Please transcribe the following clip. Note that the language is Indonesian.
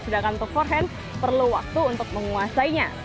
sedangkan untuk foren perlu waktu untuk menguasainya